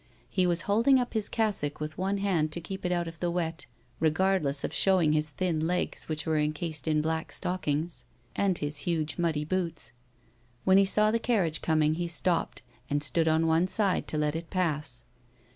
He was holding up his cassock with one hand to keep it out of the wet, regardless of showing his thin legs which were encased in black stockings, and his huge, muddy boots. When he saw the carriage coming he stopped, and stood on one side to let it pass.